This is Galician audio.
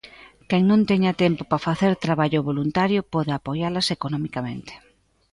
Quen non teña tempo para facer traballo voluntario, pode apoialas economicamente.